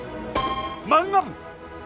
漫画部！